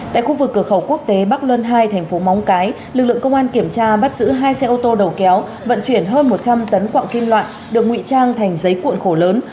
tại khu vực cửa khẩu quốc tế bắc luân hai thành phố móng cái lực lượng công an kiểm tra bắt giữ hai xe ô tô đầu kéo vận chuyển hơn một trăm linh tấn quạng kim loại được nguy trang thành giấy cuộn khổ lớn